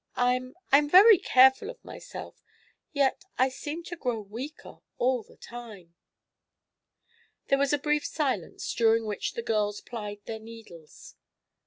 I I'm very careful of myself, yet I seem to grow weaker all the time." There was a brief silence, during which the girls plied their needles.